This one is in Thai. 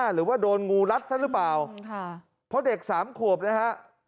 หรือว่าโดนงูรัดซะหรือเปล่าเพราะเด็กสามขวบนะฮะ